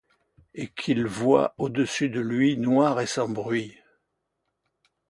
Et qu’il voit au-dessus de lui, noire et-sans bruit